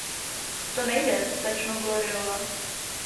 To nejde, slečno Gloryová.